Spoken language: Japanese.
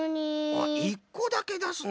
あっ１こだけだすな。